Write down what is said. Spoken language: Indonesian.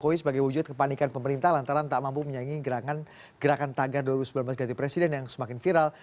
jokowi sebagai wujud kepanikan pemerintah lantaran tak mampu menyaingi gerakan tagar dua ribu sembilan belas ganti presiden yang semakin viral